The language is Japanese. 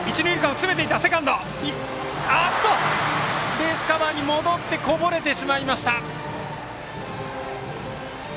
ベースカバーに戻ってこぼれてしまいました！